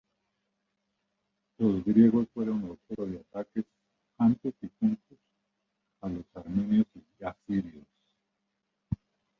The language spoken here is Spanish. Los griegos fueron objeto de ataques antes y junto a los armenios y asirios.